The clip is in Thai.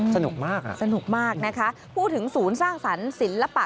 สนุกมากนะครับสนุกมากนะคะพูดถึงสูญสร้างสรรค์ศิลปะ